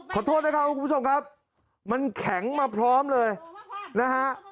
ขอโทษนะครับคุณผู้ชมครับมันแข็งมาพร้อมเลยนะฮะ